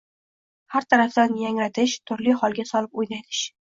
har tarafdan yangratish, turli holga solib o‘ynatish